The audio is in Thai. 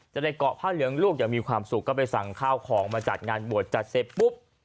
จะได้เกาะผ้าเหลืองลูกอย่างมีความสุขก็ไปสั่งข้าวของมาจัดงานบวชจัดเสร็จปุ๊บ